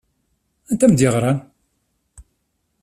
Anta i m-d-yeɣṛan?